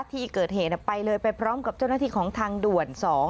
ที่เกิดเหตุไปเลยไปพร้อมกับเจ้าหน้าที่ของทางด่วน๒